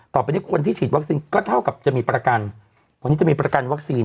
ต่อไปนี้คนที่ฉีดวัคซีนก็เท่ากับจะมีประกันวันนี้จะมีประกันวัคซีน